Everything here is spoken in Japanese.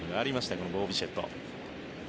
このボー・ビシェット。